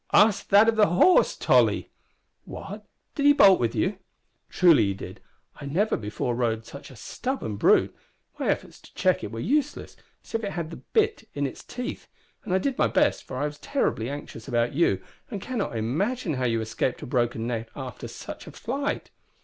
"Ask that of the horse, Tolly." "What! Did he bolt with you?" "Truly he did. I never before rode such a stubborn brute. My efforts to check it were useless, as it had the bit in its teeth, and I did my best, for I was terribly anxious about you, and cannot imagine how you escaped a broken neck after such a flight."